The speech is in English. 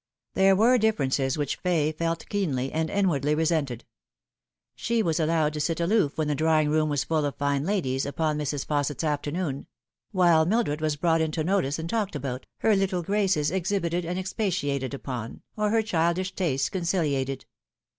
There were differences which Fay felt keenly, and inwardly resented. She was allowed to sit aloof when the drawing room was full of fine ladies, upon Mrs. Fausset's afternoon ; while Mildred was brought into notice and talked about, her little graces exhibited and expatiated upon, or her childish tastes con ciliated.